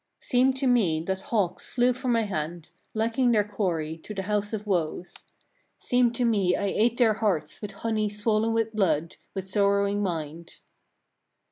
40. "Seemed to me that hawks flew from my hand, lacking their quarry, to the house of woes; seemed to me I ate their hearts with honey swollen with blood, with sorrowing mind.